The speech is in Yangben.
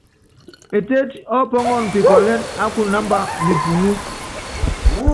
Etéti ɔ́pɔ́ŋɔn pikɔlɛ́n á kunamba mepuŋú.